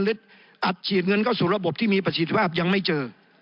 ลิตรอัดฉีดเงินเข้าสู่ระบบที่มีประสิทธิภาพยังไม่เจอ